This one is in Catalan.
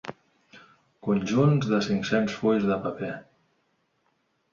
Conjunts de cinc-cents fulls de paper.